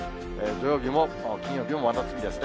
土曜日も金曜日も真夏日ですね。